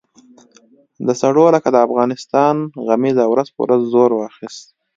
د سړو لکه د افغانستان غمیزه ورځ په ورځ زور اخیست.